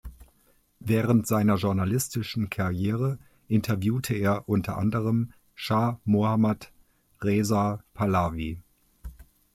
Während seiner journalistischen Karriere interviewte er unter anderem Schah Mohammad Reza Pahlavi.